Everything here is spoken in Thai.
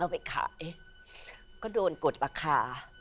ไปขายก็โดนกดราคา